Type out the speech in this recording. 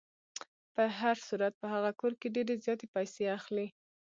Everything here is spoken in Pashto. په هر صورت په هغه کور کې ډېرې زیاتې پیسې اخلي.